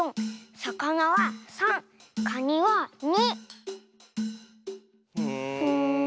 「さ・か・な」は３で「か・に」は２。